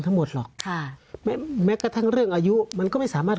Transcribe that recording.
ทั้งหมดหรอกค่ะแม้แม้กระทั่งเรื่องอายุมันก็ไม่สามารถ